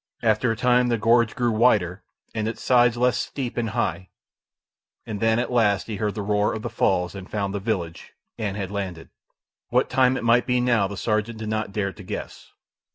After a time the gorge grew wider and its sides less steep and high; and then, at last, he heard the roar of the falls, and found the village, and had landed. What time it might be now the sergeant did not dare to guess.